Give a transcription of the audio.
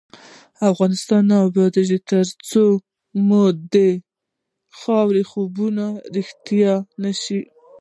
افغانستان تر هغو نه ابادیږي، ترڅو مو ددې خاورې خوبونه رښتیا نشي.